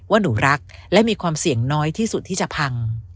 ว่าหนูรักและมีความเสี่ยงน้อยที่สุดที่จะพัง